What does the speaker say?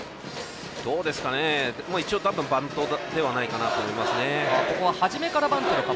どうですかね、一応バントではないかなと思います。